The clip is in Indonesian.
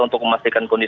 untuk memastikan kondisi